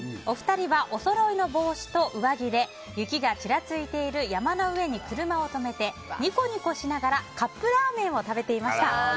お二人はおそろいの帽子と上着で雪がちらついている山の上に車を止めてニコニコしながらカップラーメンを食べていました。